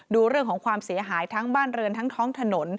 ดูเรื่องของความเสียหายทั้งบ้านเรือนทั้งท้องถนน